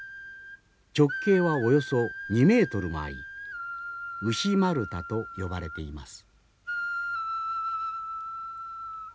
直径はおよそ２メートルもあり牛丸太と呼ばれています。